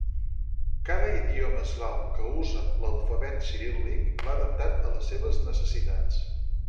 Cada idioma eslau que usa l'alfabet ciríl·lic l'ha adaptat a les seves necessitats.